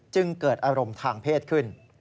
จึงเกิดอารมณ์ทางเพศขึ้น